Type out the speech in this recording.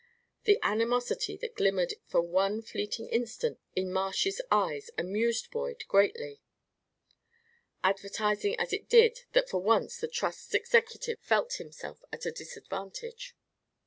The animosity that glimmered for one fleeting instant in Marsh's eyes amused Boyd greatly, advertising as it did, that for once the Trust's executive felt himself at a disadvantage.